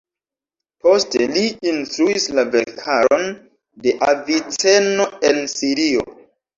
Poste li instruis la verkaron de Aviceno en Sirio.